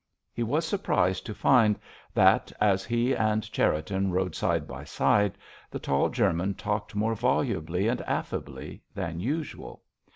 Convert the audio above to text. He was surprised to find that, as he and Cherriton rode side by side, the tall German talked more volubly and affably than usual.